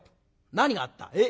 何があった？え？